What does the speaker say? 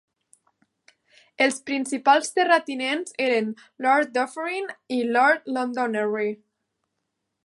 Els principals terratinents eren Lord Dufferin i Lord Londonderry.